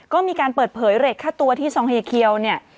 ก็มีการเปิดเผยเรทค่าตัวที่ซองเฮเคียวเนี่ย